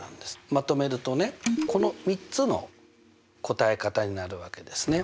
まとめるとねこの３つの答え方になるわけですね。